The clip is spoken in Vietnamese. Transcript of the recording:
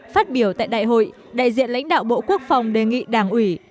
phát biểu tại đại hội đại diện lãnh đạo bộ quốc phòng đề nghị đảng ủy